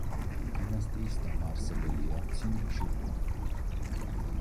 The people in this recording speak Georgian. დინასტიის დამაარსებელია ცინ შიხუანდი.